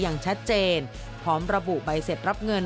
อย่างชัดเจนพร้อมระบุใบเสร็จรับเงิน